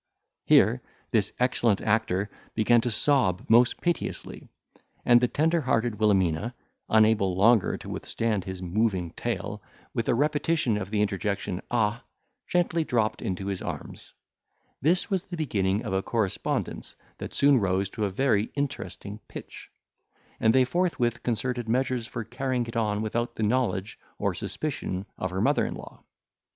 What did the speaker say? Here this excellent actor began to sob most piteously, and the tender hearted Wilhelmina, unable longer to withstand his moving tale, with a repetition of the interjection, ah! gently dropped into his arms. This was the beginning of a correspondence that soon rose to a very interesting pitch; and they forthwith concerted measures for carrying it on without the knowledge or suspicion of her mother in law.